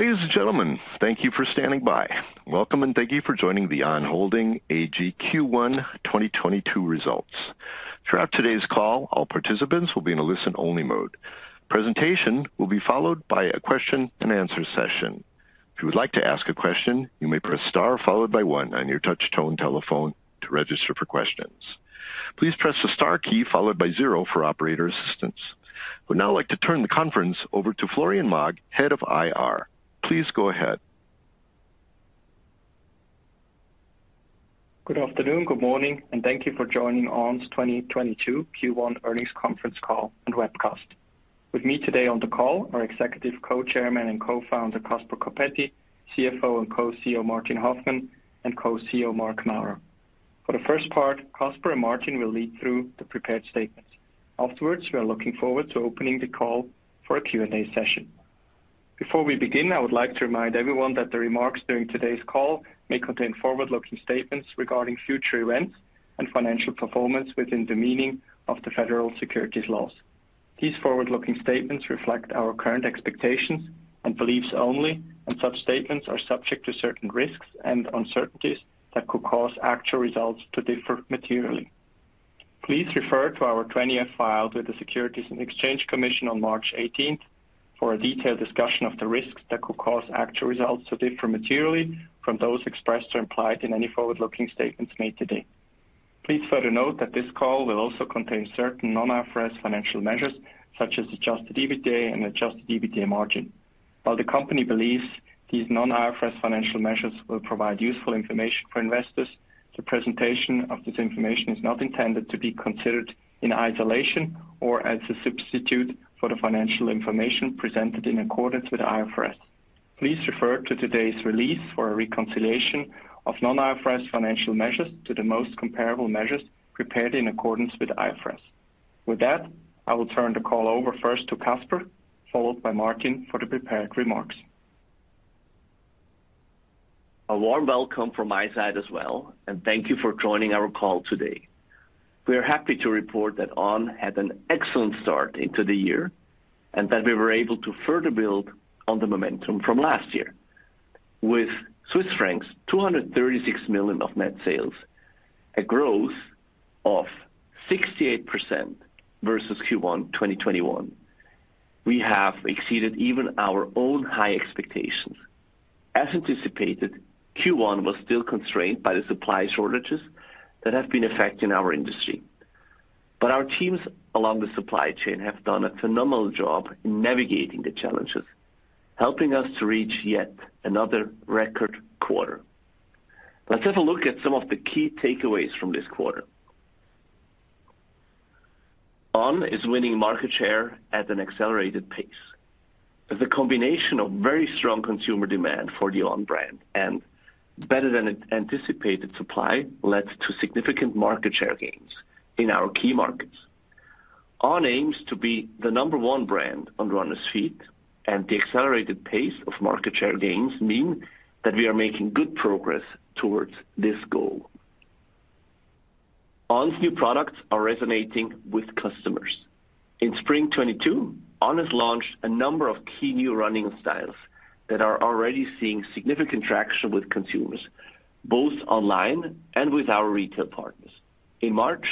Please, gentlemen, thank you for standing by. Welcome and thank you for joining the On Holding AG Q1 2022 results. Throughout today's call, all participants will be in a listen-only mode. Presentation will be followed by a question-and-answer session. If you would like to ask a question, you may press star followed by one on your touch tone telephone to register for questions. Please press the star key followed by zero for operator assistance. I would now like to turn the conference over to Florian Maag, Head of IR. Please go ahead. Good afternoon, good morning, and thank you for joining On's 2022 Q1 earnings conference call and webcast. With me today on the call are Executive Co-Chairman and Co-Founder, Caspar Coppetti, CFO and Co-CEO, Martin Hoffmann, and Co-CEO, Marc Maurer. For the first part, Caspar and Martin will lead through the prepared statements. Afterwards, we are looking forward to opening the call for a Q&A session. Before we begin, I would like to remind everyone that the remarks during today's call may contain forward-looking statements regarding future events and financial performance within the meaning of the federal securities laws. These forward-looking statements reflect our current expectations and beliefs only, and such statements are subject to certain risks and uncertainties that could cause actual results to differ materially. Please refer to our 20-F file with the Securities and Exchange Commission on 18 March for a detailed discussion of the risks that could cause actual results to differ materially from those expressed or implied in any forward-looking statements made today. Please further note that this call will also contain certain non-IFRS financial measures such as adjusted EBITDA and adjusted EBITDA margin. While the company believes these non-IFRS financial measures will provide useful information for investors, the presentation of this information is not intended to be considered in isolation or as a substitute for the financial information presented in accordance with IFRS. Please refer to today's release for a reconciliation of non-IFRS financial measures to the most comparable measures prepared in accordance with IFRS. With that, I will turn the call over first to Caspar, followed by Martin for the prepared remarks. A warm welcome from my side as well, and thank you for joining our call today. We are happy to report that On had an excellent start into the year and that we were able to further build on the momentum from last year. With Swiss francs 236 million of net sales, a growth of 68% versus Q1 2021, we have exceeded even our own high expectations. As anticipated, Q1 was still constrained by the supply shortages that have been affecting our industry. Our teams along the supply chain have done a phenomenal job in navigating the challenges, helping us to reach yet another record quarter. Let's have a look at some of the key takeaways from this quarter. On is winning market share at an accelerated pace. The combination of very strong consumer demand for the On brand and better than anticipated supply led to significant market share gains in our key markets. On aims to be the number one brand on runner's feet, and the accelerated pace of market share gains mean that we are making good progress towards this goal. On's new products are resonating with customers. In spring 2022, On has launched a number of key new running styles that are already seeing significant traction with consumers, both online and with our retail partners. In March,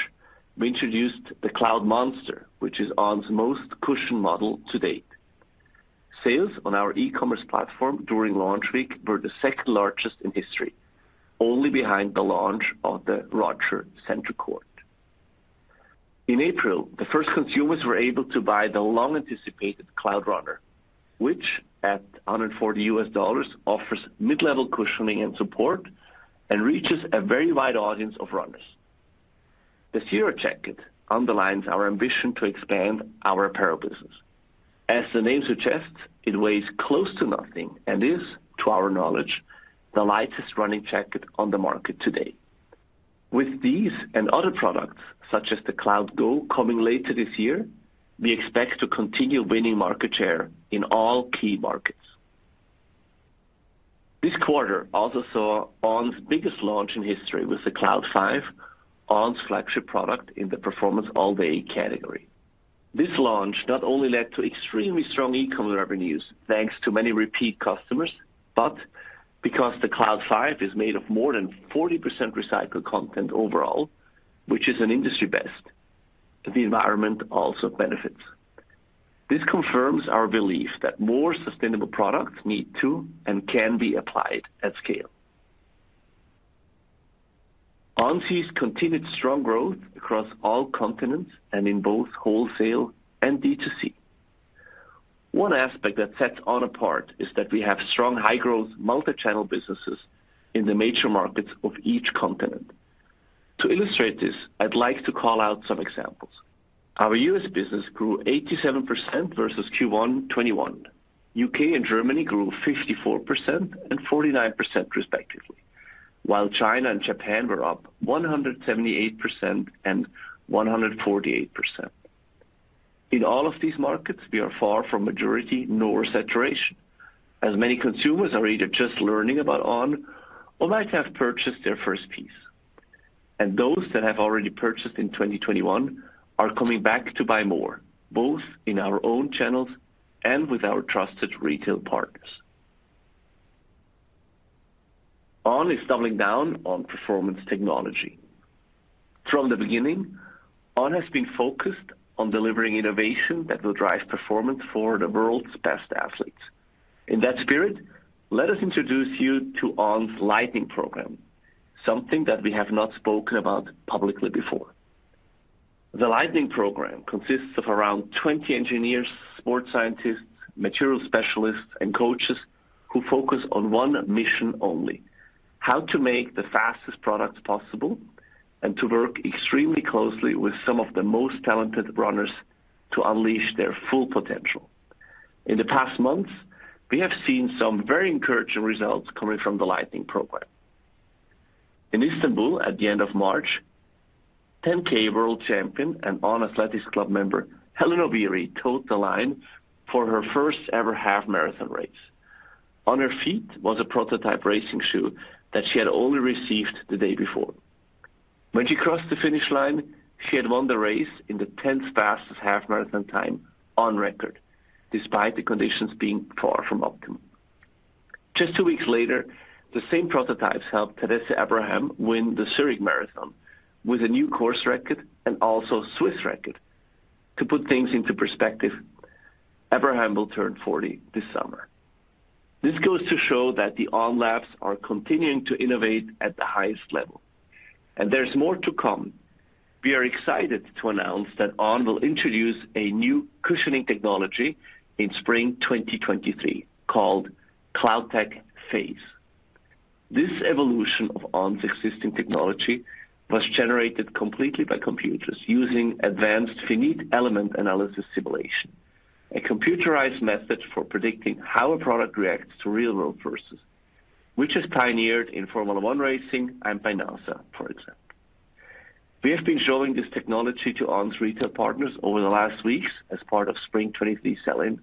we introduced the Cloudmonster, which is On's most cushioned model to date. Sales on our e-commerce platform during launch week were the second-largest in history, only behind the launch of THE ROGER Centre Court. In April, the first consumers were able to buy the long-anticipated Cloudrunner, which at $140 offers mid-level cushioning and support and reaches a very wide audience of runners. The Zero Jacket underlines our ambition to expand our apparel business. As the name suggests, it weighs close to nothing and is, to our knowledge, the lightest running jacket on the market today. With these and other products such as the Cloudgo coming later this year, we expect to continue winning market share in all key markets. This quarter also saw On's biggest launch in history with the Cloud 5, On's flagship product in the performance all-day category. This launch not only led to extremely strong e-commerce revenues, thanks to many repeat customers, but because the Cloud 5 is made of more than 40% recycled content overall, which is an industry best, the environment also benefits. This confirms our belief that more sustainable products need to and can be applied at scale. On sees continued strong growth across all continents and in both wholesale and D2C. One aspect that sets On apart is that we have strong high-growth multi-channel businesses in the major markets of each continent. To illustrate this, I'd like to call out some examples. Our US business grew 87% versus Q1 2021. UK and Germany grew 54% and 49% respectively, while China and Japan were up 178% and 148%. In all of these markets, we are far from maturity nor saturation, as many consumers are either just learning about On or might have purchased their first piece. Those that have already purchased in 2021 are coming back to buy more, both in our own channels and with our trusted retail partners. On is doubling down on performance technology. From the beginning, On has been focused on delivering innovation that will drive performance for the world's best athletes. In that spirit, let us introduce you to On's Lightning Program, something that we have not spoken about publicly before. The Lightning Program consists of around 20 engineers, sports scientists, material specialists, and coaches who focus on one mission only, how to make the fastest products possible and to work extremely closely with some of the most talented runners to unleash their full potential. In the past months, we have seen some very encouraging results coming from the Lightning Program. In Istanbul, at the end of March, 10K world champion and On Athletics Club member Hellen Obiri toed the line for her first-ever half-marathon race. On her feet was a prototype racing shoe that she had only received the day before. When she crossed the finish line, she had won the race in the tenth fastest half-marathon time on record, despite the conditions being far from optimal. Just two weeks later, the same prototypes helped Tadesse Abraham win the Zurich Marató with a new course record and also Swiss record. To put things into perspective, Abraham will turn 40 this summer. This goes to show that the On labs are continuing to innovate at the highest level, and there's more to come. We are excited to announce that On will introduce a new cushioning technology in spring 2023 called CloudTec Phase. This evolution of On's existing technology was generated completely by computers using advanced finite element analysis simulation, a computerized method for predicting how a product reacts to real-world forces, which is pioneered in Formula One racing and by NASA, for example. We have been showing this technology to On's retail partners over the last weeks as part of spring 2023 sell-in,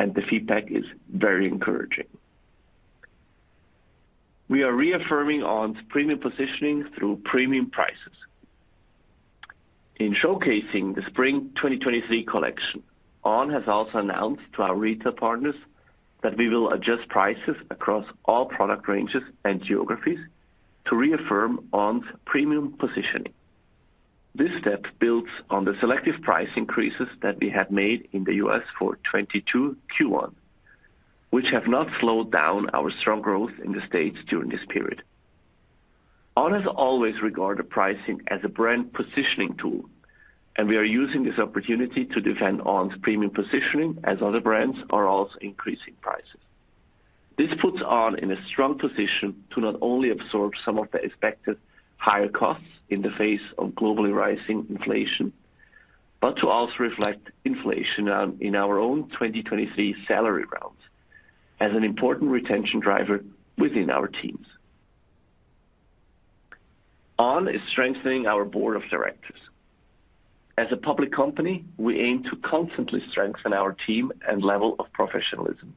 and the feedback is very encouraging. We are reaffirming On's premium positioning through premium prices. In showcasing the spring 2023 collection, On has also announced to our retail partners that we will adjust prices across all product ranges and geographies to reaffirm On's premium positioning. This step builds on the selective price increases that we have made in the US for 2022 Q1, which have not slowed down our strong growth in the States during this period. On has always regarded pricing as a brand positioning tool, and we are using this opportunity to defend On's premium positioning as other brands are also increasing prices. This puts On in a strong position to not only absorb some of the expected higher costs in the face of globally rising inflation, but to also reflect inflation on, in our own 2023 salary rounds as an important retention driver within our teams. On is strengthening our board of directors. As a public company, we aim to constantly strengthen our team and level of professionalism.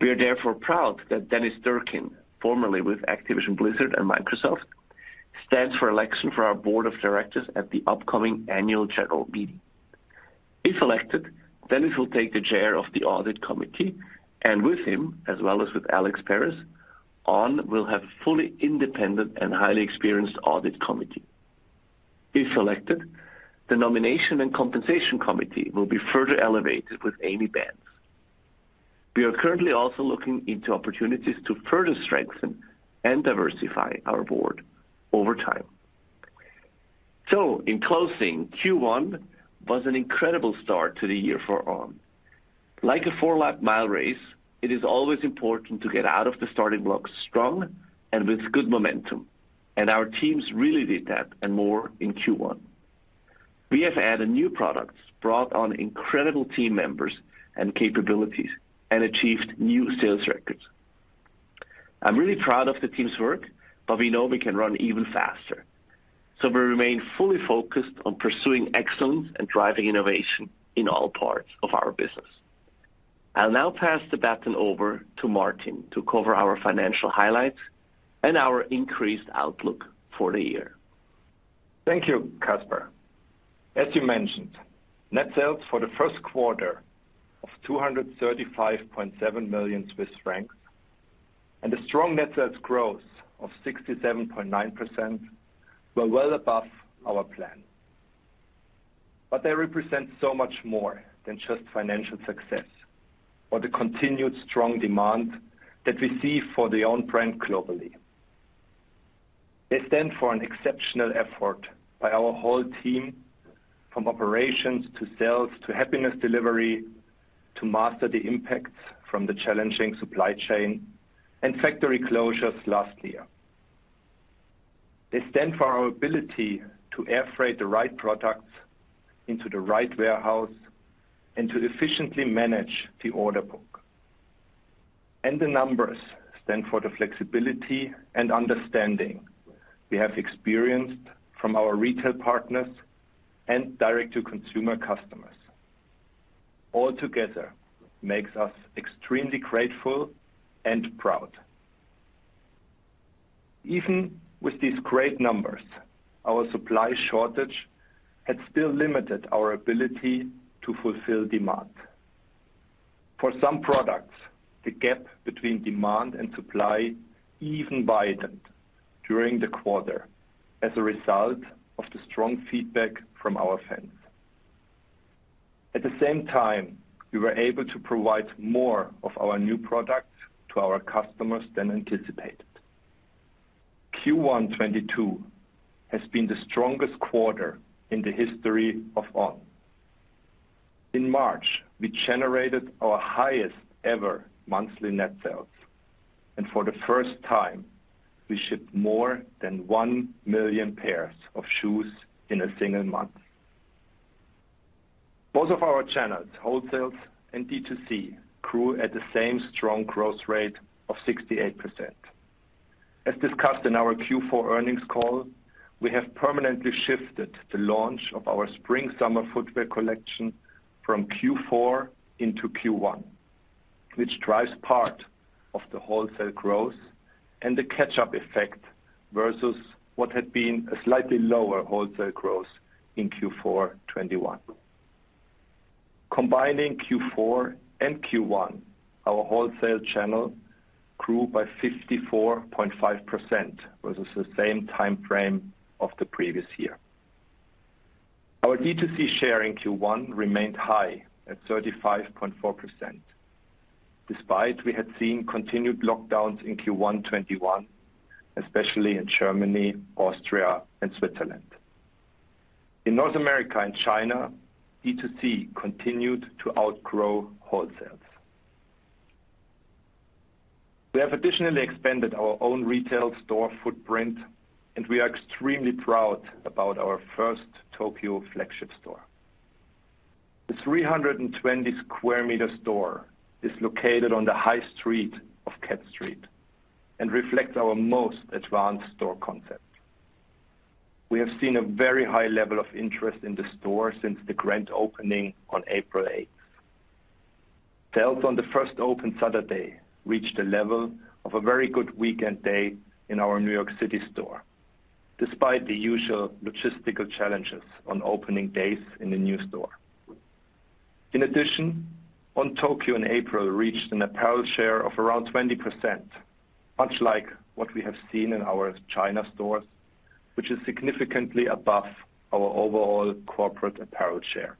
We are therefore proud that Dennis Durkin, formerly with Activision Blizzard and Microsoft, stands for election for our board of directors at the upcoming annual general meeting. If elected, Dennis will take the chair of the audit committee, and with him, as well as with Alex Perez, On will have fully independent and highly experienced audit committee. If elected, the nomination and compensation committee will be further elevated with Amy Banse. We are currently also looking into opportunities to further strengthen and diversify our board over time. In closing, Q1 was an incredible start to the year for On. Like a four-lap mile race, it is always important to get out of the starting blocks strong and with good momentum, and our teams really did that and more in Q1. We have added new products, brought on incredible team members and capabilities, and achieved new sales records. I'm really proud of the team's work, but we know we can run even faster. We remain fully focused on pursuing excellence and driving innovation in all parts of our business. I'll now pass the baton over to Martin to cover our financial highlights and our increased outlook for the year. Thank you, Caspar. As you mentioned, net sales for the Q1 of 235.7 million Swiss francs and a strong net sales growth of 67.9% were well above our plan. They represent so much more than just financial success or the continued strong demand that we see for the On brand globally. They stand for an exceptional effort by our whole team from operations to sales to happiness delivery to master the impacts from the challenging supply chain and factory closures last year. They stand for our ability to air freight the right products into the right warehouse and to efficiently manage the order book. The numbers stand for the flexibility and understanding we have experienced from our retail partners and direct-to-consumer customers. All together makes us extremely grateful and proud. Even with these great numbers, our supply shortage had still limited our ability to fulfill demand. For some products, the gap between demand and supply even widened during the quarter as a result of the strong feedback from our fans. At the same time, we were able to provide more of our new products to our customers than anticipated. Q1 2022 has been the strongest quarter in the history of On. In March, we generated our highest ever monthly net sales, and for the first time, we shipped more than 1 million pairs of shoes in a single month. Both of our channels, wholesale and D2C, grew at the same strong growth rate of 68%. As discussed in our Q4 earnings call, we have permanently shifted the launch of our spring/summer footwear collection from Q4 into Q1, which drives part of the wholesale growth and the catch-up effect versus what had been a slightly lower wholesale growth in Q4 2021. Combining Q4 and Q1, our wholesale channel grew by 54.5% versus the same time frame of the previous year. Our D2C share in Q1 remained high at 35.4%, despite we had seen continued lockdowns in Q1 2021, especially in Germany, Austria, and Switzerland. In North America and China, D2C continued to outgrow wholesales. We have additionally expanded our own retail store footprint, and we are extremely proud about our first Tokyo flagship store. The 320 sq m store is located on the high street of Cat Street and reflects our most advanced store concept. We have seen a very high level of interest in the store since the grand opening on 8 April. Sales on the first open Saturday reached a level of a very good weekend day in our New York City store, despite the usual logistical challenges on opening days in the new store. In addition, On Tokyo in April reached an apparel share of around 20%, much like what we have seen in our China stores, which is significantly above our overall corporate apparel share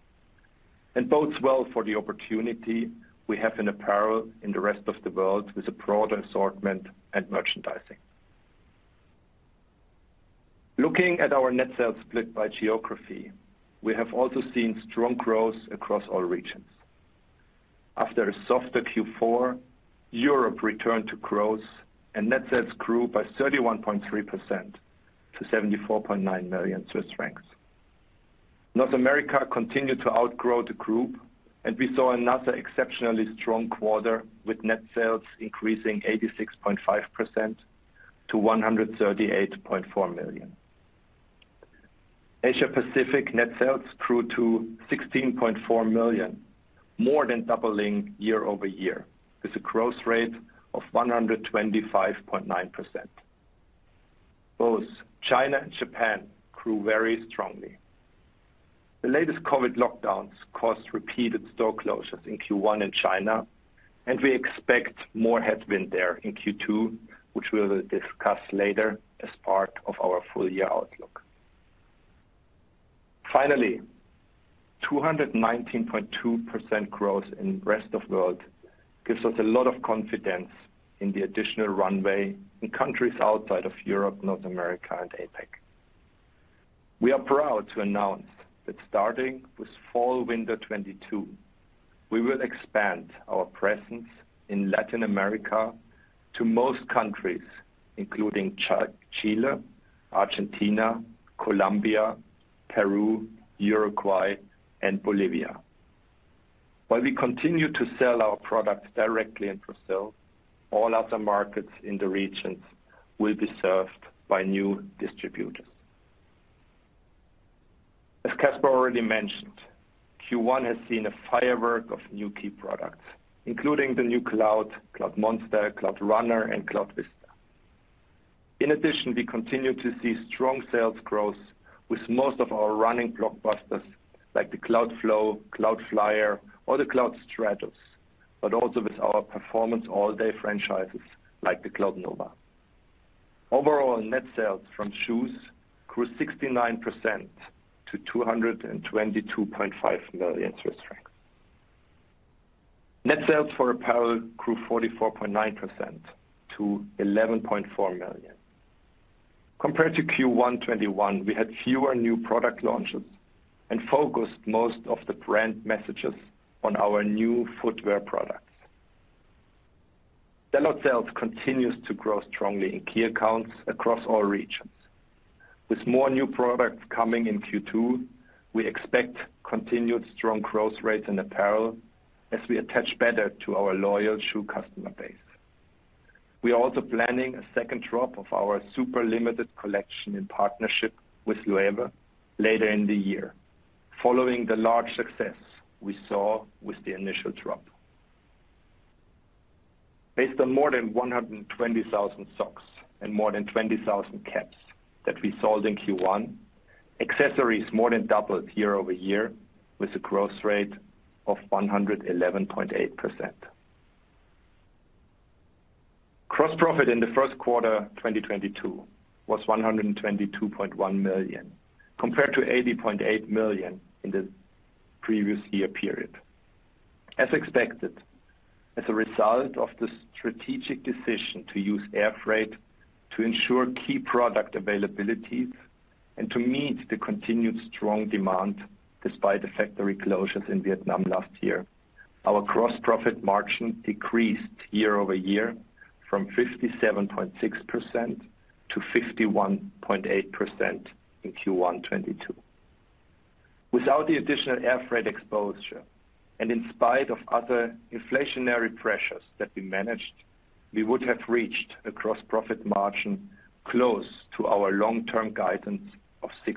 and bodes well for the opportunity we have in apparel in the rest of the world with a broader assortment and merchandising. Looking at our net sales split by geography, we have also seen strong growth across all regions. After a softer Q4, Europe returned to growth and net sales grew by 31.3% to 74.9 million Swiss francs. North America continued to outgrow the group and we saw another exceptionally strong quarter with net sales increasing 86.5% to 138.4 million. Asia Pacific net sales grew to 16.4 million, more than doubling year-over-year with a growth rate of 125.9%. Both China and Japan grew very strongly. The latest COVID lockdowns caused repeated store closures in Q1 in China, and we expect more headwind there in Q2, which we will discuss later as part of our full year outlook. Finally, 219.2% growth in rest of world gives us a lot of confidence in the additional runway in countries outside of Europe, North America, and APAC. We are proud to announce that starting with fall/winter 2022, we will expand our presence in Latin America to most countries, including Chile, Argentina, Colombia, Peru, Uruguay, and Bolivia. While we continue to sell our products directly in Brazil, all other markets in the region will be served by new distributors. As Caspar already mentioned, Q1 has seen a fireworks of new key products, including the new Cloud, Cloudmonster, Cloudrunner, and Cloudvista. In addition, we continue to see strong sales growth with most of our running blockbusters like the Cloudflow, Cloudflyer, or the Cloudstratus, but also with our performance all-day franchises like the Cloudnova. Overall net sales from shoes grew 69% to 222.5 million Swiss francs. Net sales for apparel grew 44.9% to 11.4 million. Compared to Q1 2021, we had fewer new product launches and focused most of the brand messages on our new footwear products. Vendor sales continues to grow strongly in key accounts across all regions. With more new products coming in Q2, we expect continued strong growth rates in apparel as we attach better to our loyal shoe customer base. We are also planning a second drop of our super limited collection in partnership with Loewe later in the year, following the large success we saw with the initial drop. Based on more than 120,000 socks and more than 20,000 caps that we sold in Q1, accessories more than doubled year over year with a growth rate of 111.8%. Gross profit in the first quarter 2022 was 122.1 million, compared to 80.8 million in the previous year period. As expected, as a result of the strategic decision to use air freight to ensure key product availabilities and to meet the continued strong demand despite the factory closures in Vietnam last year, our gross profit margin decreased year-over-year from 57.6% to 51.8% in Q1 2022. Without the additional air freight exposure, and in spite of other inflationary pressures that we managed, we would have reached a gross profit margin close to our long-term guidance of 60%.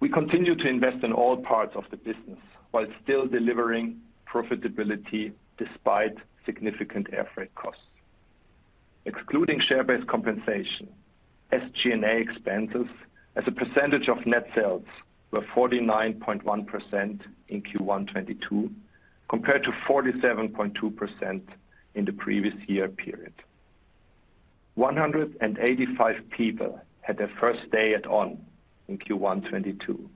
We continue to invest in all parts of the business while still delivering profitability despite significant air freight costs. Excluding share-based compensation, SG&A expenses as a percentage of net sales were 49.1% in Q1 2022 compared to 47.2% in the previous year period. 185 people had their first day at On in Q1 2022,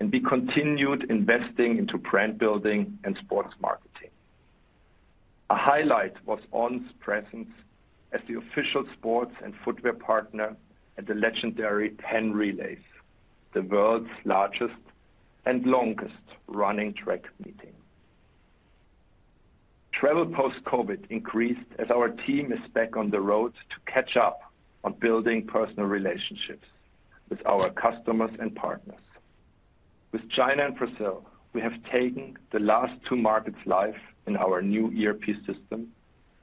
and we continued investing into brand building and sports marketing. A highlight was On's presence as the official sports and footwear partner at the legendary Penn Relays, the world's largest and longest running track meeting. Travel post-COVID increased as our team is back on the road to catch up on building personal relationships with our customers and partners. With China and Brazil, we have taken the last two markets live in our new ERP system,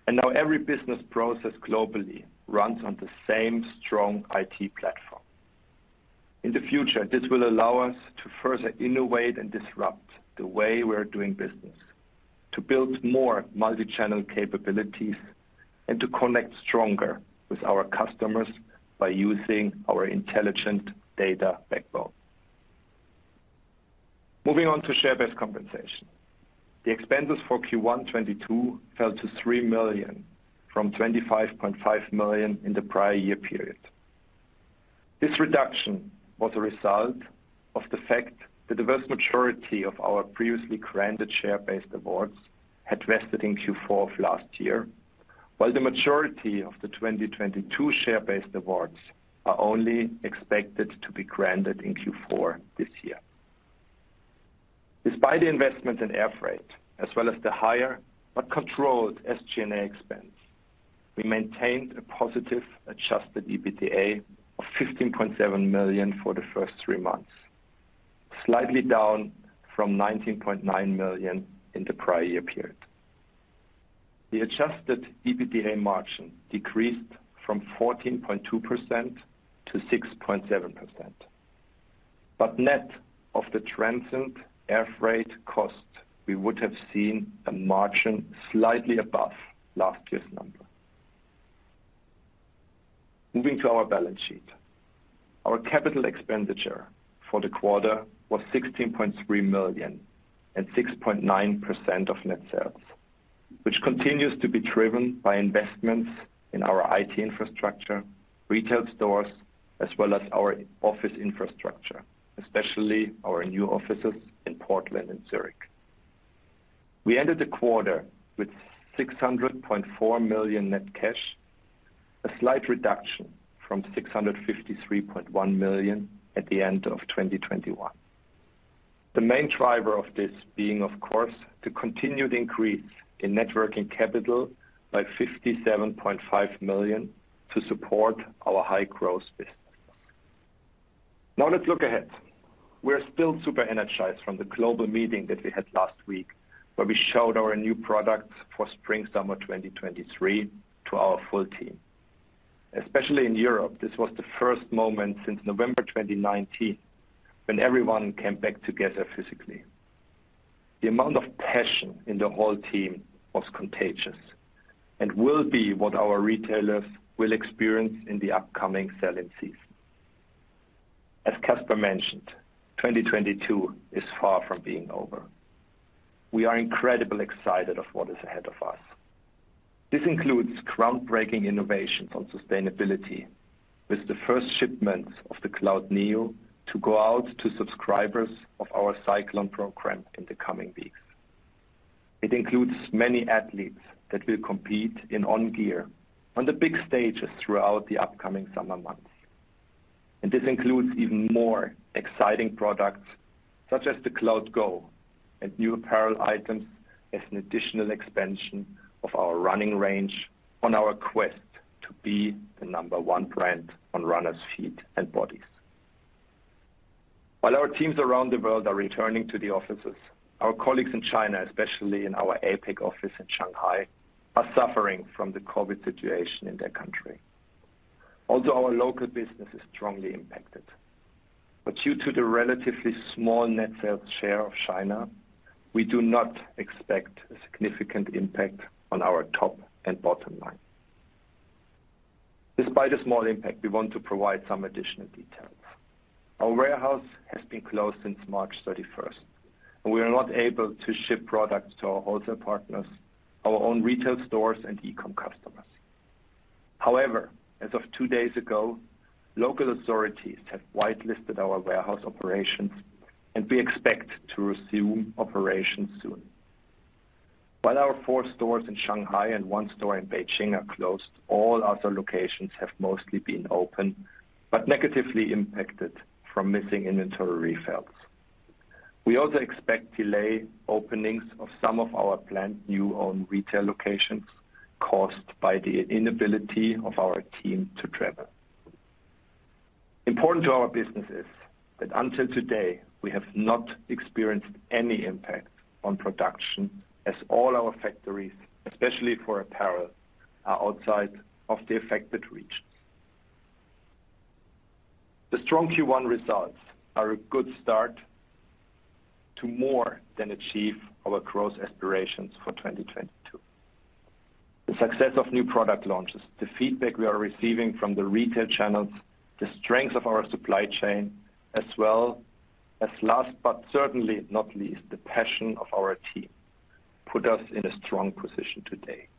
and now every business process globally runs on the same strong IT platform. In the future, this will allow us to further innovate and disrupt the way we're doing business, to build more multichannel capabilities and to connect stronger with our customers by using our intelligent data backbone. Moving on to share-based compensation. The expenses for Q1 2022 fell to 3 million from 25.5 million in the prior year period. This reduction was a result of the fact that the vast majority of our previously granted share-based awards had vested in Q4 of last year, while the majority of the 2022 share-based awards are only expected to be granted in Q4 this year. Despite the investment in air freight as well as the higher but controlled SG&A expense, we maintained a positive adjusted EBITDA of 15.7 million for the first three months, slightly down from 19.9 million in the prior year period. The adjusted EBITDA margin decreased from 14.2% to 6.7%. Net of the transient air freight cost, we would have seen a margin slightly above last year's number. Moving to our balance sheet. Our capital expenditure for the quarter was 16.3 million and 6.9% of net sales, which continues to be driven by investments in our IT infrastructure, retail stores, as well as our office infrastructure, especially our new offices in Portland and Zurich. We ended the quarter with 600.4 million net cash, a slight reduction from 653.1 million at the end of 2021. The main driver of this being, of course, the continued increase in net working capital by 57.5 million to support our high-growth business. Now let's look ahead. We're still super energized from the global meeting that we had last week, where we showed our new products for spring/summer 2023 to our full team. Especially in Europe, this was the first moment since November 2019 when everyone came back together physically. The amount of passion in the whole team was contagious and will be what our retailers will experience in the upcoming selling season. As Caspar mentioned, 2022 is far from being over. We are incredibly excited of what is ahead of us. This includes groundbreaking innovations on sustainability with the first shipments of the Cloudneo to go out to subscribers of our Cyclon program in the coming weeks. It includes many athletes that will compete in On gear on the big stages throughout the upcoming summer months. This includes even more exciting products such as the Cloudgo and new apparel items as an additional expansion of our running range on our quest to be the number one brand on runners' feet and bodies. While our teams around the world are returning to the offices, our colleagues in China, especially in our APAC office in Shanghai, are suffering from the COVID situation in their country. Also, our local business is strongly impacted. Due to the relatively small net sales share of China, we do not expect a significant impact on our top and bottom line. Despite the small impact, we want to provide some additional details. Our warehouse has been closed since 31 March, and we are not able to ship products to our wholesale partners, our own retail stores, and e-com customers. However, as of two days ago, local authorities have whitelisted our warehouse operations, and we expect to resume operations soon. While our four stores in Shanghai and one store in Beijing are closed, all other locations have mostly been open but negatively impacted from missing inventory refills. We also expect delay openings of some of our planned new own retail locations caused by the inability of our team to travel. Important to our business is that until today, we have not experienced any impact on production as all our factories, especially for apparel, are outside of the affected regions. The strong Q1 results are a good start to more than achieve our growth aspirations for 2022. The success of new product launches, the feedback we are receiving from the retail channels, the strength of our supply chain, as well as last but certainly not least, the passion of our team put us in a strong position today.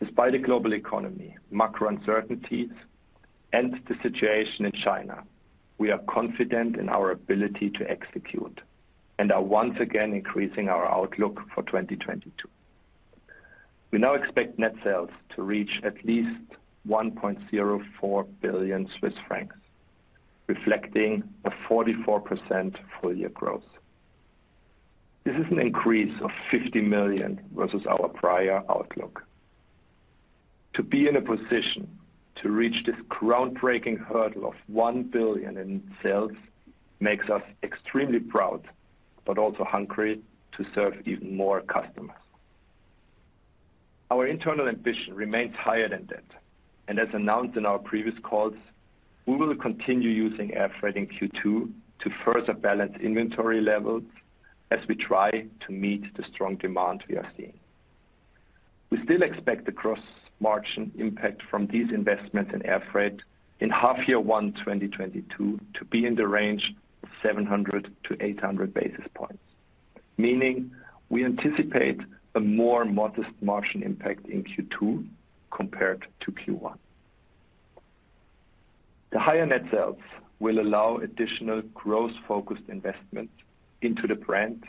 Despite the global economy, macro uncertainties, and the situation in China, we are confident in our ability to execute and are once again increasing our outlook for 2022. We now expect net sales to reach at least 1.04 billion Swiss francs, reflecting a 44% full year growth. This is an increase of 50 million versus our prior outlook. To be in a position to reach this groundbreaking hurdle of 1 billion in sales makes us extremely proud but also hungry to serve even more customers. Our internal ambition remains higher than that, as announced in our previous calls, we will continue using airfreight in Q2 to further balance inventory levels as we try to meet the strong demand we are seeing. We still expect the gross margin impact from these investments in airfreight in half year one 2022 to be in the range of 700 basis points to 800 basis points, meaning we anticipate a more modest margin impact in Q2 compared to Q1. The higher net sales will allow additional growth-focused investments into the brand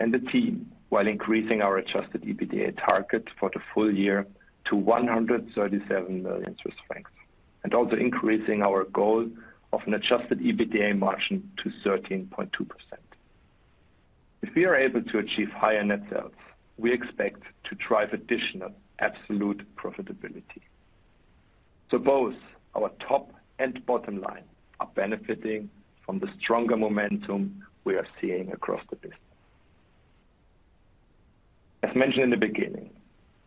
and the team while increasing our adjusted EBITDA target for the full year to 137 million Swiss francs and also increasing our goal of an adjusted EBITDA margin to 13.2%. If we are able to achieve higher net sales, we expect to drive additional absolute profitability. Both our top and bottom line are benefiting from the stronger momentum we are seeing across the business. As mentioned in the beginning,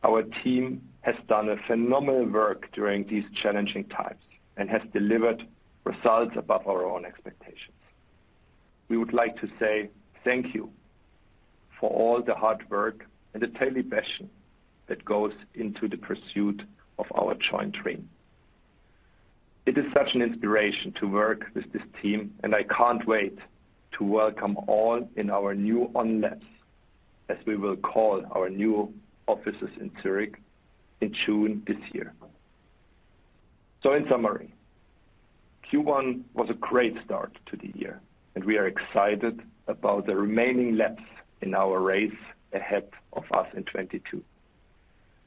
our team has done a phenomenal work during these challenging times and has delivered results above our own expectations. We would like to say thank you for all the hard work and the daily passion that goes into the pursuit of our joint dream. It is such an inspiration to work with this team, and I can't wait to welcome all in our new On Labs, as we will call our new offices in Zurich in June this year. In summary, Q1 was a great start to the year, and we are excited about the remaining laps in our race ahead of us in 2022.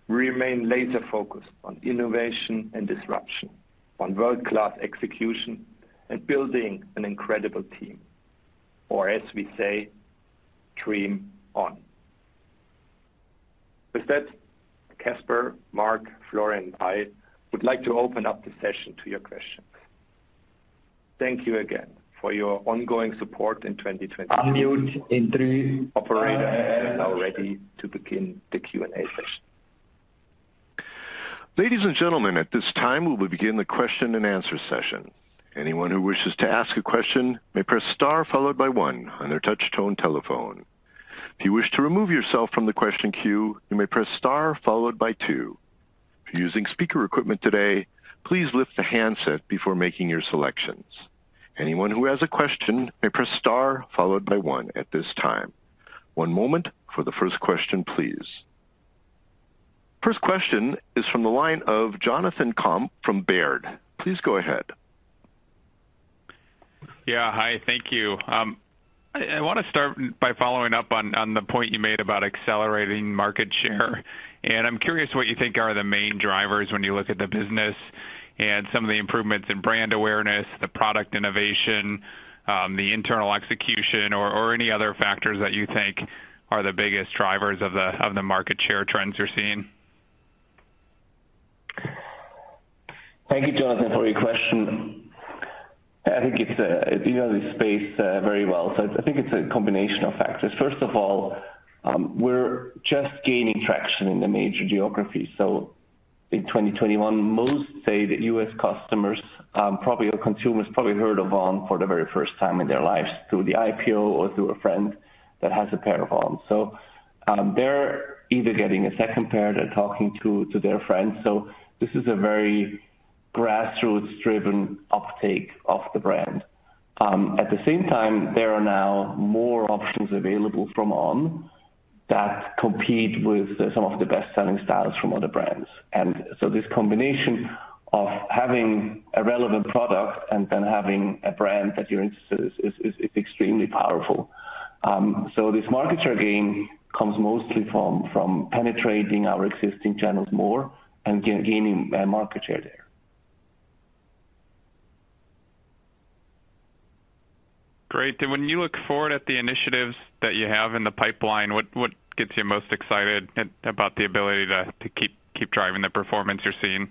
Remain laser-focused on innovation and disruption, on world-class execution and building an incredible team. As we say, dream on. With that, Caspar, Marc, Florian, and I would like to open up the session to your questions. Thank you again for your ongoing support in 2022. Unmute entry. We are ready to begin the Q&A session. Ladies and gentlemen, at this time, we will begin the question and answer session. Anyone who wishes to ask a question may press star followed by one on their touch-tone telephone. If you wish to remove yourself from the question queue, you may press star followed by two. If you're using speaker equipment today, please lift the handset before making your selections. Anyone who has a question may press star followed by one at this time. One moment for the first question, please. First question is from the line of Jonathan Komp from Baird. Please go ahead. Yeah. Hi, thank you. I wanna start by following up on the point you made about accelerating market share. I'm curious what you think are the main drivers when you look at the business and some of the improvements in brand awareness, the product innovation, the internal execution or any other factors that you think are the biggest drivers of the market share trends you're seeing? Thank you, Jonathan, for your question. I think it's, you know the space, very well. I think it's a combination of factors. First of all, we're just gaining traction in the major geographies. In 2021 most US customers or consumers probably heard of On for the very first time in their lives through the IPO or through a friend that has a pair of On. They're either getting a second pair, they're talking to their friends. This is a very grassroots driven uptake of the brand. At the same time, there are now more options available from On that compete with some of the best-selling styles from other brands. This combination of having a relevant product and then having a brand that you're interested is extremely powerful. This market share gain comes mostly from penetrating our existing channels more and gaining market share there. Great. When you look forward at the initiatives that you have in the pipeline, what gets you most excited about the ability to keep driving the performance you're seeing?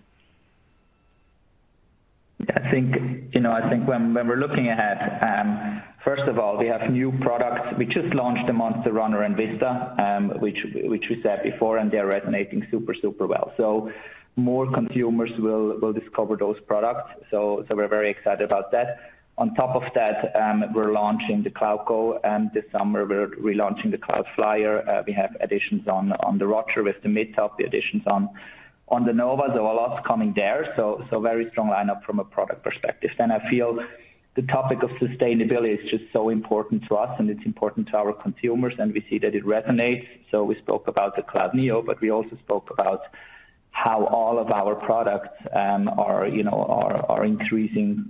I think, you know, when we're looking ahead, first of all, we have new products. We just launched the Cloudmonster and Cloudvista, which we said before, and they're resonating super well. More consumers will discover those products. We're very excited about that. On top of that, we're launching the Cloudgo, and this summer we're relaunching the Cloudflyer. We have additions on the Roger with the mid-top, additions on the Nova. There were lots coming there. Very strong lineup from a product perspective. I feel the topic of sustainability is just so important to us, and it's important to our consumers, and we see that it resonates. We spoke about the Cloudneo, but we also spoke about how all of our products are, you know, are increasing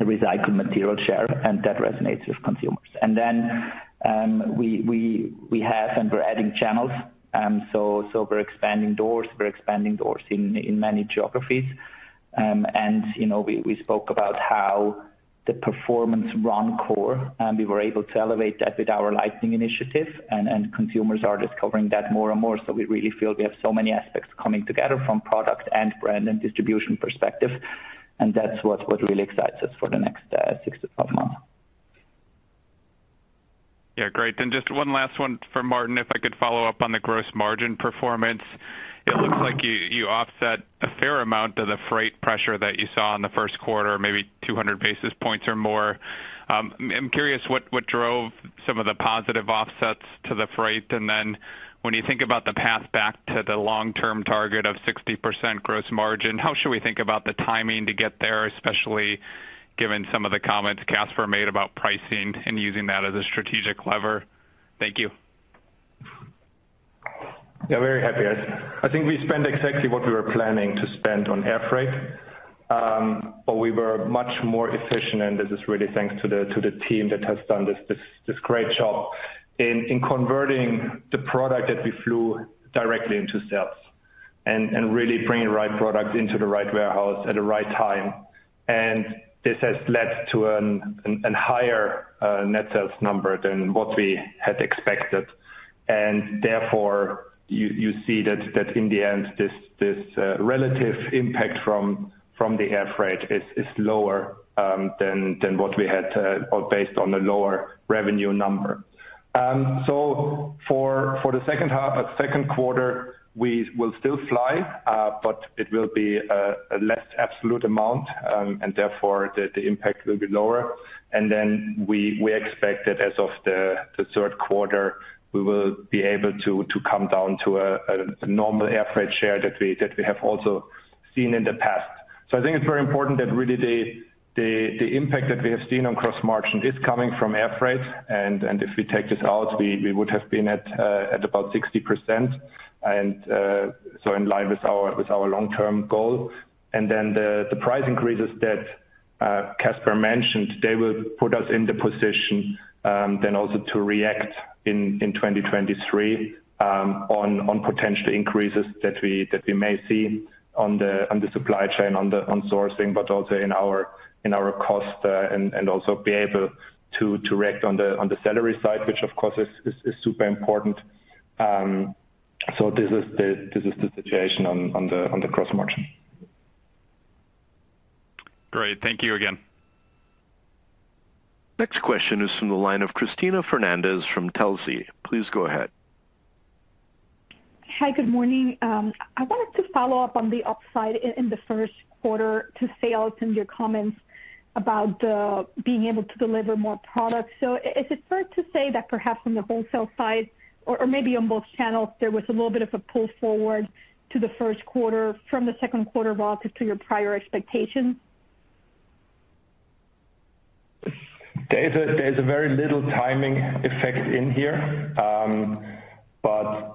the recycled material share and that resonates with consumers. We have and we're adding channels. We're expanding doors in many geographies. You know, we spoke about how the performance run core, and we were able to elevate that with our lightning initiative and consumers are discovering that more and more. We really feel we have so many aspects coming together from product and brand and distribution perspective, and that's what really excites us for the next six to 12 months. Yeah. Great. Just one last one for Martin. If I could follow up on the gross margin performance. It looks like you offset a fair amount of the freight pressure that you saw in the Q1, maybe 200 basis points or more. I'm curious what drove some of the positive offsets to the freight. When you think about the path back to the long-term target of 60% gross margin, how should we think about the timing to get there, especially given some of the comments Caspar made about pricing and using that as a strategic lever? Thank you. Yeah. Very happy. I think we spent exactly what we were planning to spend on air freight. We were much more efficient and this is really thanks to the team that has done this great job in converting the product that we flew directly into sales and really bringing the right product into the right warehouse at the right time. This has led to a higher net sales number than what we had expected. Therefore, you see that in the end this relative impact from the air freight is lower than what we had to or based on the lower revenue number. For the second quarter, we will still fly, but it will be a less absolute amount, and therefore the impact will be lower. We expect that as of the third quarter we will be able to come down to a normal air freight share that we have also seen in the past. I think it's very important that really the impact that we have seen on gross margin is coming from air freight. If we take this out, we would have been at about 60%, so in line with our long-term goal. Then the price increases that Caspar mentioned, they will put us in the position, then also to react in 2023 on potential increases that we may see on the supply chain, on sourcing, but also in our cost, and also be able to react on the salary side, which of course is super important. This is the situation on the gross margin. Great. Thank you again. Next question is from the line of Cristina Fernández from Telsey. Please go ahead. Hi. Good morning. I wanted to follow up on the upside in the Q1 to say I'll send your comments about, being able to deliver more products. Is it fair to say that perhaps on the wholesale side or maybe on both channels, there was a little bit of a pull forward to the Q1 from the Q2 relative to your prior expectations? There's a very little timing effect in here.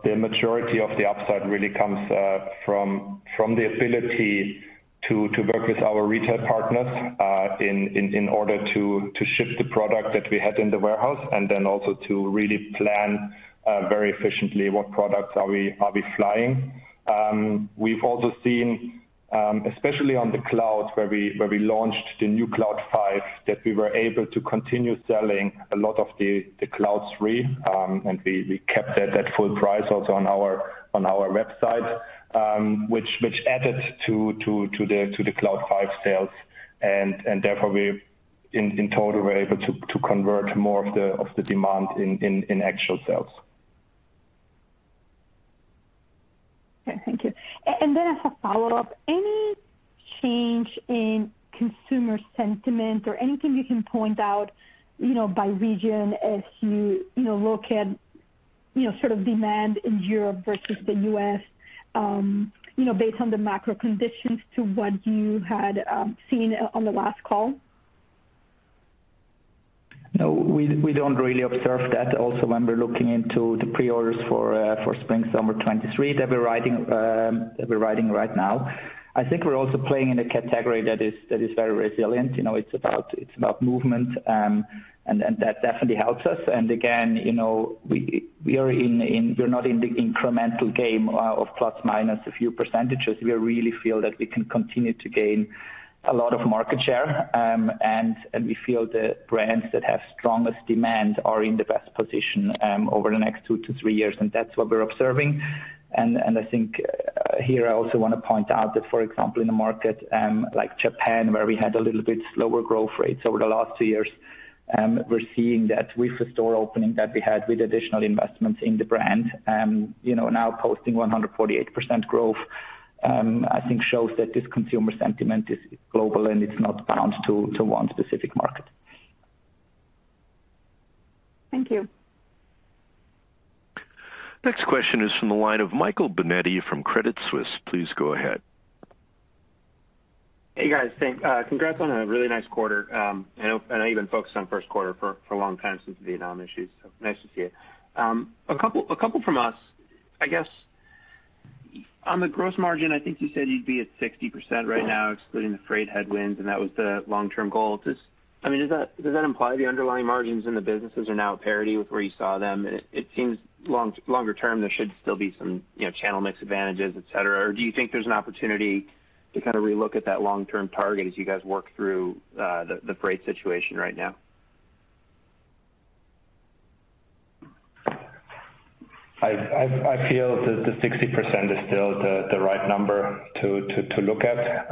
The majority of the upside really comes from the ability to work with our retail partners in order to ship the product that we had in the warehouse, and then also to really plan very efficiently what products we are flying. We've also seen, especially on the Cloud where we launched the new Cloud 5, that we were able to continue selling a lot of the Cloud 3, and we kept that at full price also on our website, which added to the Cloud 5 sales and therefore, in total, we're able to convert more of the demand into actual sales. Okay, thank you. As a follow-up, any change in consumer sentiment or anything you can point out, you know, by region as you know look at, you know, sort of demand in Europe versus the US, you know, based on the macro conditions to what you had seen on the last call? No, we don't really observe that. Also, when we're looking into the pre-orders for spring/summer 2023 that we're writing right now. I think we're also playing in a category that is very resilient. You know, it's about movement. That definitely helps us. Again, you know, we are not in the incremental game of plus/minus a few percentages. We really feel that we can continue to gain a lot of market share. We feel the brands that have strongest demand are in the best position over the next two to three years, and that's what we're observing. I think here I also want to point out that, for example, in a market like Japan, where we had a little bit slower growth rates over the last two years, we're seeing that with the store opening that we had with additional investments in the brand, you know, now posting 148% growth, I think shows that this consumer sentiment is global, and it's not bound to one specific market. Thank you. Next question is from the line of Michael Binetti from Credit Suisse. Please go ahead. Hey, guys. Thanks. Congrats on a really nice quarter. I know I even focused on Q1 for a long time since the Vietnam issues, so nice to see it. A couple from us. I guess on the gross margin, I think you said you'd be at 60% right now, excluding the freight headwinds, and that was the long-term goal. I mean, does that imply the underlying margins in the businesses are now parity with where you saw them? It seems longer term, there should still be some, you know, channel mix advantages, et cetera. Or do you think there's an opportunity to kinda relook at that long-term target as you guys work through the freight situation right now? I feel that the 60% is still the right number to look at.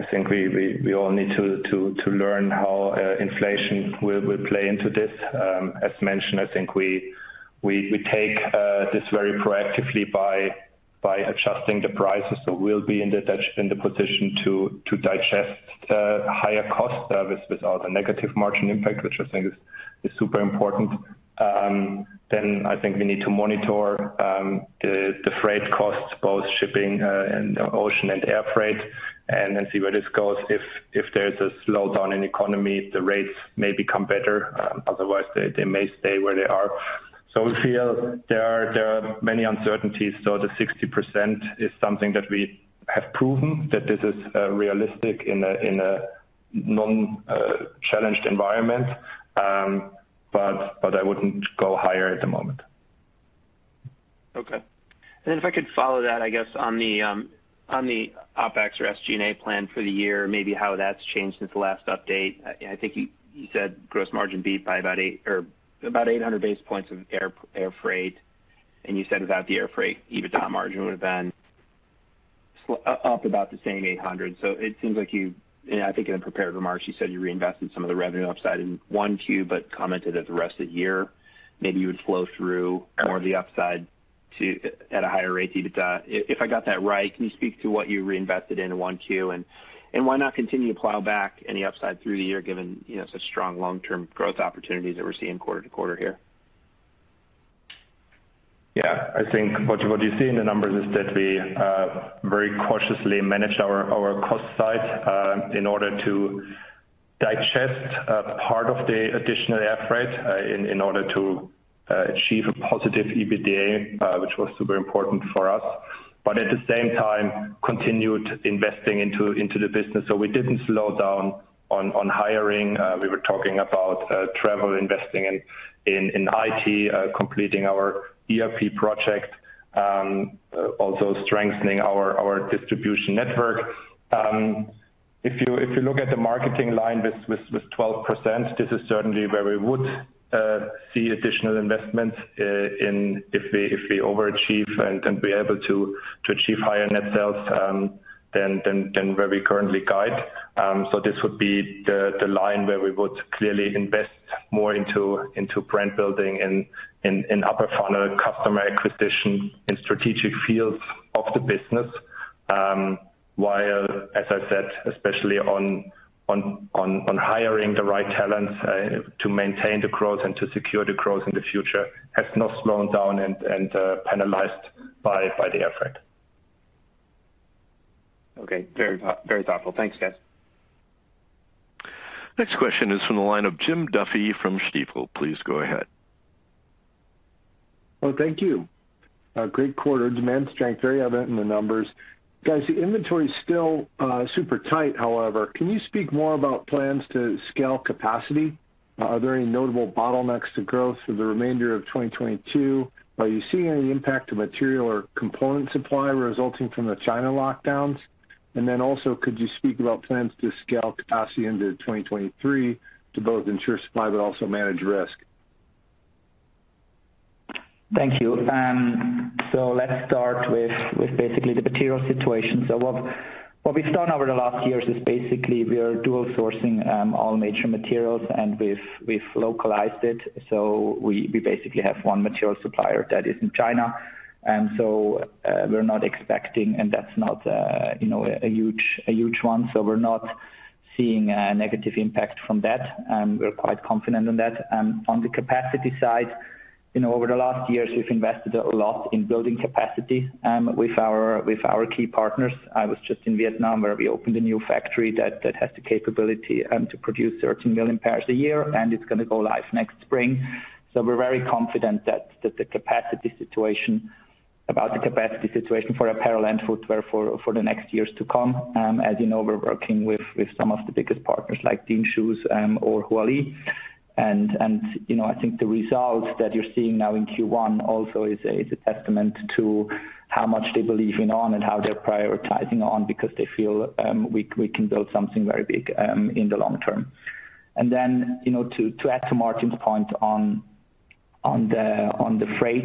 I think we all need to learn how inflation will play into this. As mentioned, I think we take this very proactively by adjusting the prices. We'll be in the position to digest higher cost service without a negative margin impact, which I think is super important. I think we need to monitor the freight costs, both shipping and ocean and air freight, and then see where this goes. If there's a slowdown in economy, the rates may become better, otherwise they may stay where they are. We feel there are many uncertainties. The 60% is something that we have proven that this is realistic in a non-challenged environment. But I wouldn't go higher at the moment. Okay. If I could follow that, I guess, on the OpEx or SG&A plan for the year, maybe how that's changed since the last update. I think you said gross margin beat by about eight or about 800 basis points of air freight. You said without the air freight, EBITDA margin would have been up about the same 800. It seems like you. I think in the prepared remarks, you said you reinvested some of the revenue upside in Q1, but commented that the rest of the year maybe you would flow through more of the upside to at a higher rate to EBITDA. If I got that right, can you speak to what you reinvested in in Q1? Why not continue to plow back any upside through the year given, you know, such strong long-term growth opportunities that we're seeing quarter to quarter here? Yeah. I think what you see in the numbers is that we very cautiously manage our cost side in order to digest part of the additional air freight in order to achieve a positive EBITDA, which was super important for us. At the same time, continued investing into the business. We didn't slow down on hiring. We were talking about travel investing in IT, completing our ERP project, also strengthening our distribution network. If you look at the marketing line with 12%, this is certainly where we would see additional investments if we overachieve and be able to achieve higher net sales than where we currently guide. This would be the line where we would clearly invest more into brand building and in upper funnel customer acquisition in strategic fields of the business. While, as I said, especially On hiring the right talent to maintain the growth and to secure the growth in the future has not slowed down and penalized by the air freight. Okay. Very thoughtful. Thanks, guys. Next question is from the line of Jim Duffy from Stifel. Please go ahead. Well, thank you. A great quarter. Demand strength very evident in the numbers. Guys, the inventory is still super tight, however. Can you speak more about plans to scale capacity? Are there any notable bottlenecks to growth through the remainder of 2022? Are you seeing any impact to material or component supply resulting from the China lockdowns? Could you speak about plans to scale capacity into 2023 to both ensure supply but also manage risk? Thank you. Let's start with basically the material situation. What we've done over the last years is basically we are dual sourcing all major materials, and we've localized it. We basically have one material supplier that is in China. You know, a huge one, so we're not seeing a negative impact from that, and we're quite confident on that. On the capacity side, you know, over the last years we've invested a lot in building capacity with our key partners. I was just in Vietnam, where we opened a new factory that has the capability to produce 13 million pairs a year, and it's gonna go live next spring. We're very confident that the capacity situation for apparel and footwear for the next years to come. As you know, we're working with some of the biggest partners like Dean Shoes or Huali. You know, I think the results that you're seeing now in Q1 also is a testament to how much they believe in On and how they're prioritizing On because they feel we can build something very big in the long term. You know, to add to Martin's point on the freight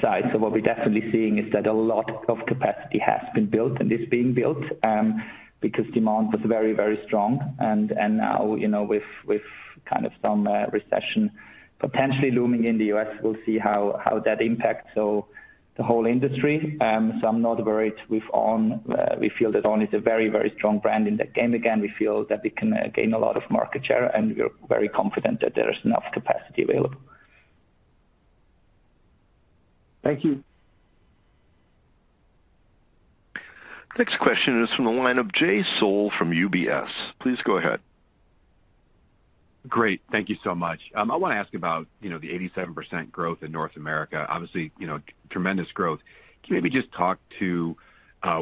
side. What we're definitely seeing is that a lot of capacity has been built and is being built because demand was very, very strong. Now, you know, with kind of some recession potentially looming in the US, we'll see how that impacts the whole industry. I'm not worried with On. We feel that On is a very, very strong brand in that game. Again, we feel that we can gain a lot of market share, and we're very confident that there is enough capacity available. Thank you. Next question is from the line of Jay Sole from UBS. Please go ahead. Great. Thank you so much. I wanna ask about, you know, the 87% growth in North America. Obviously, you know, tremendous growth. Can you maybe just talk to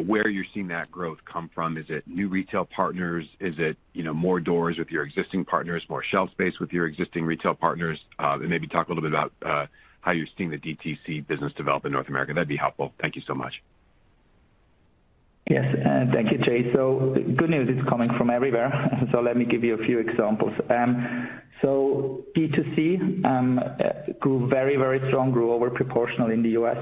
where you're seeing that growth come from? Is it new retail partners? Is it, you know, more doors with your existing partners, more shelf space with your existing retail partners? And maybe talk a little bit about how you're seeing the DTC business develop in North America. That'd be helpful. Thank you so much. Yes. Thank you, Jay. Good news, it's coming from everywhere. Let me give you a few examples. B2C grew very strong over proportionally in the US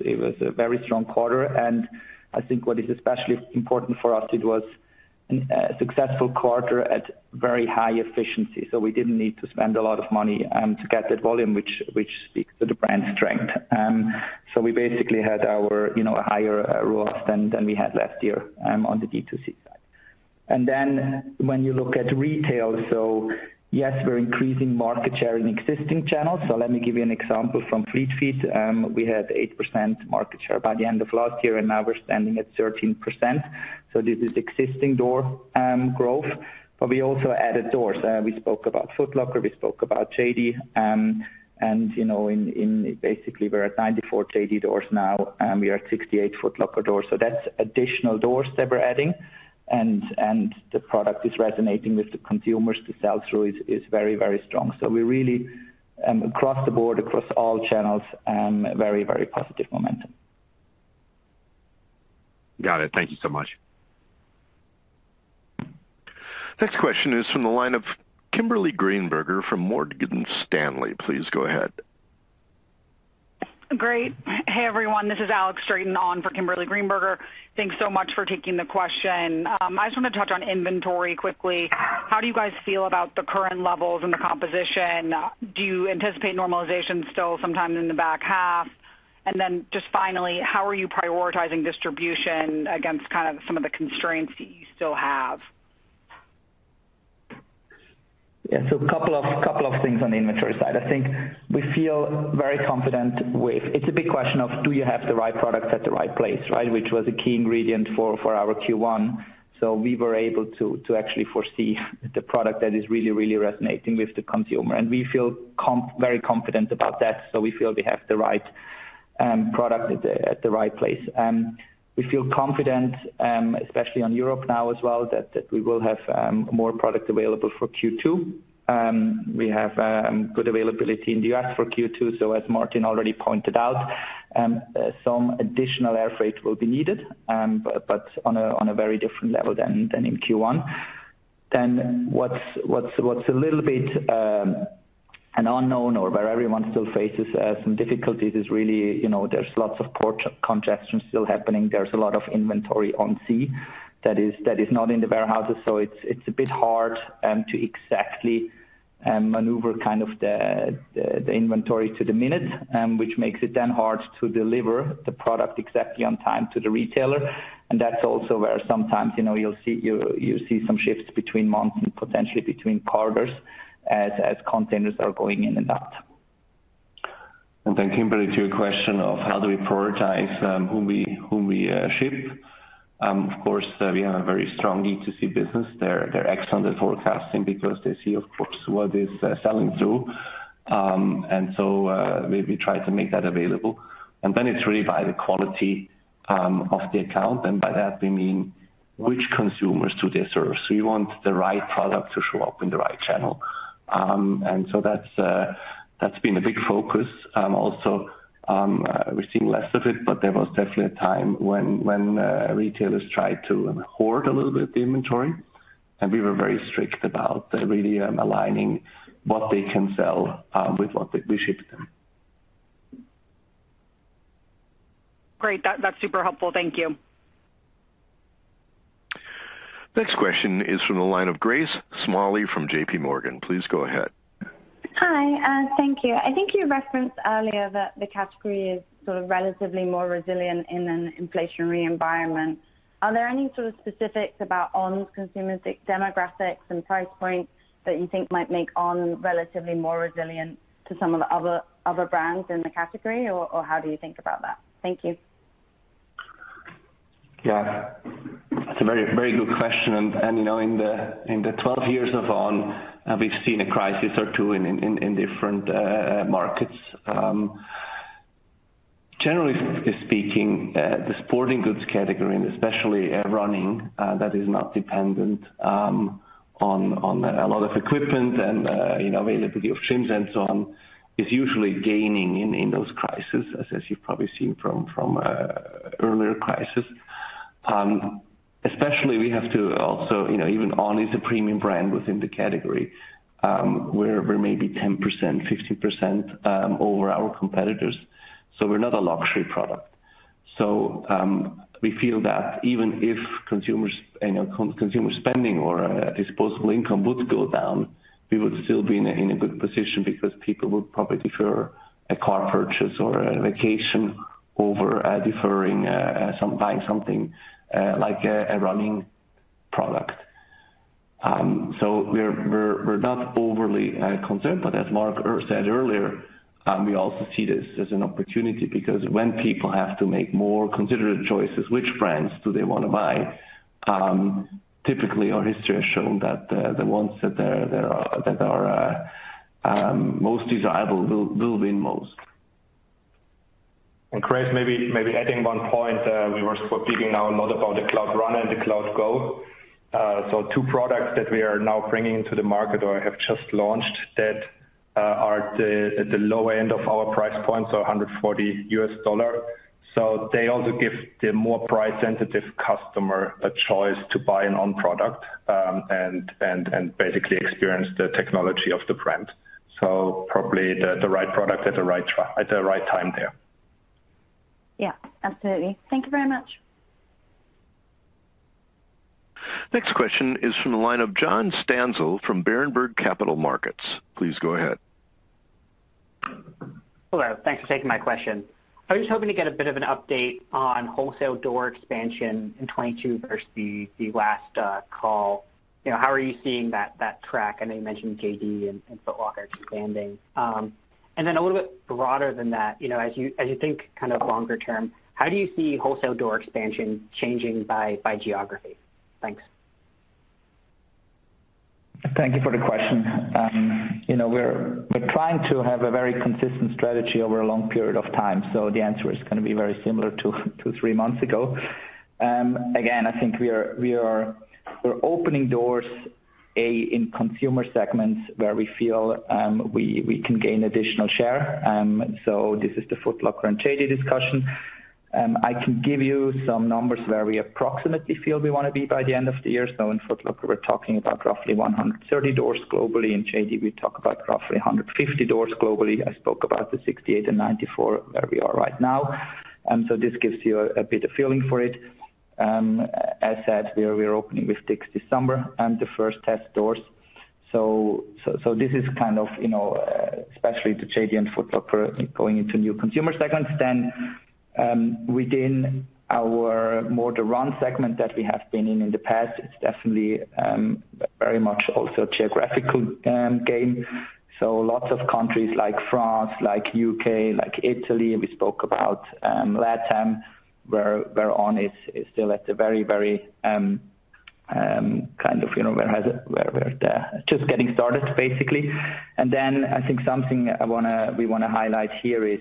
It was a very strong quarter, and I think what is especially important for us, it was a successful quarter at very high efficiency. We didn't need to spend a lot of money to get that volume which speaks to the brand strength. We basically had our, you know, higher ROAS than we had last year on the B2C side. Then when you look at retail, yes, we're increasing market share in existing channels. Let me give you an example from Fleet Feet. We had 8% market share by the end of last year, and now we're standing at 13%. This is existing door growth. We also added doors. We spoke about Foot Locker. We spoke about JD. You know, basically, we're at 94 JD doors now, and we are at 68 Foot Locker doors. That's additional doors that we're adding. The product is resonating with the consumers. The sell-through is very, very strong. We really, across the board, across all channels, very, very positive momentum. Got it. Thank you so much. Next question is from the line of Kimberly Greenberger from Morgan Stanley. Please go ahead. Great. Hey, everyone. This is Alex Straton for Kimberly Greenberger. Thanks so much for taking the question. I just wanna touch on inventory quickly. How do you guys feel about the current levels and the composition? Do you anticipate normalization still sometime in the back half? Just finally, how are you prioritizing distribution against kind of some of the constraints that you still have? Yeah. A couple of things on the inventory side. I think we feel very confident with it. It's a big question of do you have the right products at the right place, right? Which was a key ingredient for our Q1. We were able to actually foresee the product that is really resonating with the consumer, and we feel very confident about that. We feel we have the right product at the right place. We feel confident, especially in Europe now as well, that we will have more product available for Q2. We have good availability in the US for Q2. As Martin already pointed out, some additional air freight will be needed, but on a very different level than in Q1. What's a little bit an unknown or where everyone still faces some difficulties is really, you know, there's lots of port congestion still happening. There's a lot of inventory on sea that is not in the warehouses, so it's a bit hard to exactly maneuver kind of the inventory to the minute, which makes it then hard to deliver the product exactly on time to the retailer. That's also where sometimes, you know, you see some shifts between months and potentially between quarters as containers are going in and out. Kimberly, to your question of how do we prioritize whom we ship. Of course, we have a very strong DTC business. They're excellent at forecasting because they see, of course, what is selling through. We try to make that available. It's really by the quality of the account, and by that we mean which consumers do they serve. You want the right product to show up in the right channel. That's been a big focus. We've seen less of it, but there was definitely a time when retailers tried to hoard a little bit the inventory. We were very strict about really aligning what they can sell with what we ship them. Great. That's super helpful. Thank you. Next question is from the line of Grace Smalley from JPMorgan. Please go ahead. Hi, thank you. I think you referenced earlier that the category is sort of relatively more resilient in an inflationary environment. Are there any sort of specifics about On's consumer demographics and price points that you think might make On relatively more resilient to some of the other brands in the category? Or how do you think about that? Thank you. Yeah. That's a very, very good question. You know, in the 12 years of On, we've seen a crisis or two in different markets. Generally speaking, the sporting goods category and especially running that is not dependent on a lot of equipment and you know availability of gyms and so on is usually gaining in those crisis as you've probably seen from earlier crisis. Especially we have to also you know even On is a premium brand within the category. We're maybe 10% to 15% over our competitors, so we're not a luxury product. We feel that even if consumer spending or disposable income would go down, we would still be in a good position because people would probably defer a car purchase or a vacation over deferring buying something like a running product. We're not overly concerned, but as Marc said earlier, we also see this as an opportunity because when people have to make more considerate choices which brands do they wanna buy, typically our history has shown that the ones that are most desirable will win most. Grace, maybe adding one point. We were speaking now a lot about the Cloudrunner and the Cloudgo. Two products that we are now bringing to the market or have just launched that are at the lower end of our price point, so $140. They also give the more price sensitive customer a choice to buy an On product, and basically experience the technology of the brand. Probably the right product at the right time there. Yeah. Absolutely. Thank you very much. Next question is from the line of John Zantolis from Berenberg Capital Markets. Please go ahead. Hello. Thanks for taking my question. I was hoping to get a bit of an update on wholesale door expansion in 2022 versus the last call. You know, how are you seeing that track? I know you mentioned JD and Foot Locker expanding. And then a little bit broader than that, you know, as you think kind of longer term, how do you see wholesale door expansion changing by geography? Thanks. Thank you for the question. You know, we're trying to have a very consistent strategy over a long period of time, so the answer is gonna be very similar to three months ago. Again, I think we're opening doors in consumer segments where we feel we can gain additional share. This is the Foot Locker and JD discussion. I can give you some numbers where we approximately feel we wanna be by the end of the year. In Foot Locker, we're talking about roughly 130 doors globally. In JD, we talk about roughly 150 doors globally. I spoke about the 68 and 94, where we are right now. This gives you a bit of feeling for it. As said, we are opening with Dick's this summer and the first test doors. This is kind of, you know, especially the JD and Foot Locker going into new consumer segments. Within our core Run segment that we have been in the past, it's definitely very much also geographical gain. Lots of countries like France, like UK, like Italy, we spoke about LATAM, where On is still at a very kind of, you know, just getting started, basically. I think something I wanna... We want to highlight here is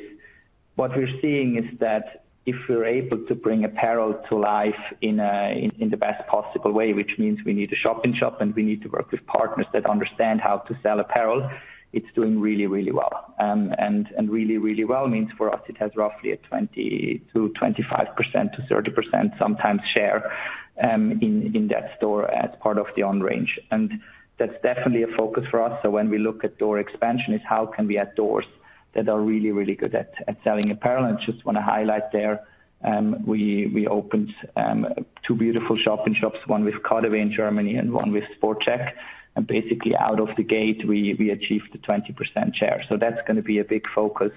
what we're seeing is that if we're able to bring apparel to life in the best possible way, which means we need a shop-in-shop, and we need to work with partners that understand how to sell apparel, it's doing really, really well. Really, really well means for us it has roughly a 20% to 25%, 30% sometimes share in that store as part of the On range. That's definitely a focus for us. When we look at door expansion is how can we add doors that are really, really good at selling apparel? Just want to highlight there, we opened two beautiful shop-in-shops, one with Caraway in Germany and one with Sport Chek. Basically out of the gate, we achieved a 20% share. That's gonna be a big focus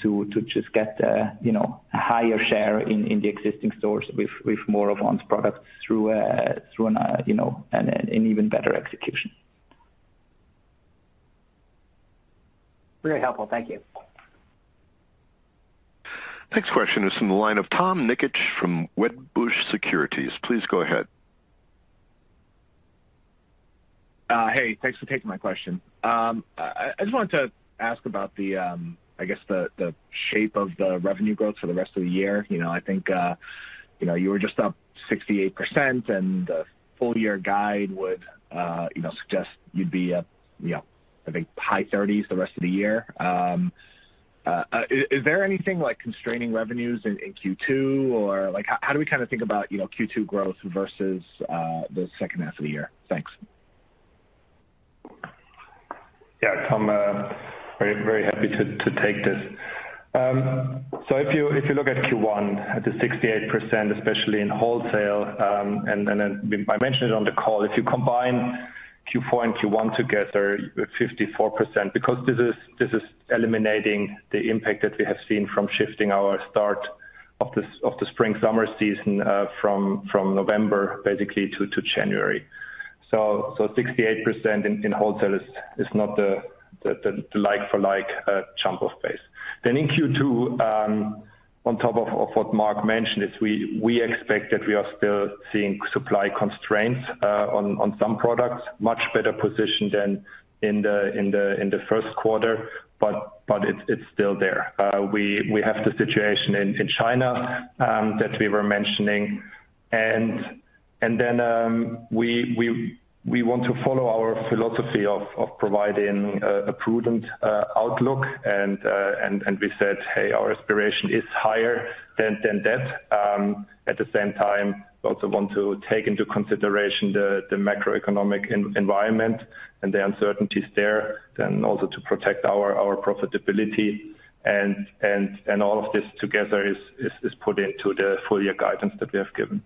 to just get you know a higher share in the existing stores with more of On's products through an even better execution. Very helpful. Thank you. Next question is from the line of Tom Nikic from Wedbush Securities. Please go ahead. Hey, thanks for taking my question. I just wanted to ask about the, I guess, the shape of the revenue growth for the rest of the year. You know, I think, you know, you were just up 68%, and the full year guide would, you know, suggest you'd be up, you know, I think high 30% the rest of the year. Is there anything, like, constraining revenues in Q2? Or, like, how do we kinda think about, you know, Q2 growth versus the second half of the year? Thanks. Yeah. Tom, very happy to take this. If you look at Q1, at the 68%, especially in wholesale, and then I mentioned it on the call. If you combine Q4 and Q1 together, you have 54% because this is eliminating the impact that we have seen from shifting our start of the spring/summer season from November basically to January. 68% in wholesale is not the like-for-like jump in pace. In Q2, on top of what Marc mentioned, we expect that we are still seeing supply constraints on some products. Much better position than in the Q1, but it's still there. We have the situation in China that we were mentioning. We want to follow our philosophy of providing a prudent outlook and we said, "Hey, our aspiration is higher than that." At the same time, we also want to take into consideration the macroeconomic environment and the uncertainties there, then also to protect our profitability. All of this together is put into the full year guidance that we have given.